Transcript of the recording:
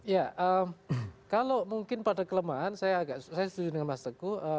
ya kalau mungkin pada kelemahan saya agak saya setuju dengan mas teguh